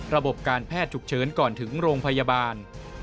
ระบบการแพทย์ฉุกเฉินก่อนถึงโรงพยาบาล